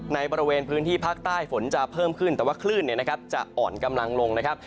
ในบริเวณพื้นที่ภาคใต้ฝนจะเพิ่มขึ้นแต่ว่าคลื่นเนี่ยนะครับจะอ่อนกำลังลงนะครับ